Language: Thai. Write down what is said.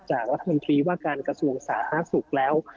จากรัฐมนตรีว่าการกระทรวงสาธารณสุขแล้ว